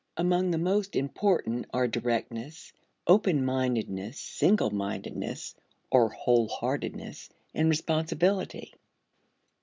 Among the most important are directness, open mindedness, single mindedness (or whole heartedness), and responsibility.